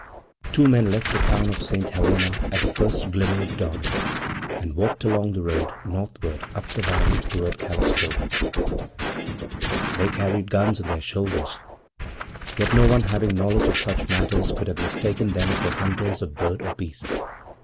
9 > Two men left the town of St. Helena at the first glimmer of dawn, and walked along the road north ward up the valley toward Calistoga. They carried guns on their shoulders, yet no one having knowledge of such matters could have mistaken them for hunters of bird or beast.